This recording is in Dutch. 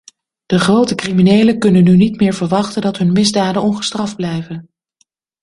De grote criminelen kunnen nu niet meer verwachten dat hun misdaden ongestraft blijven.